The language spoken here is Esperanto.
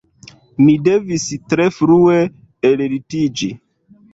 Mi devis tre frue ellitiĝi